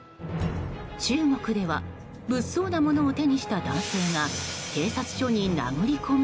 中国では物騒なものを手にした男性が警察署に殴り込み？